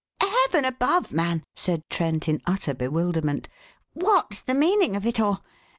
"Heaven above, man," said Trent in utter bewilderment, "what's the meaning of it all?